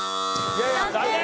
残念。